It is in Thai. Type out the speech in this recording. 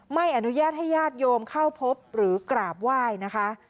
ไม่อนุญาตให้ญาติโยมเข้าพบหรือกราบไหว้นะคะ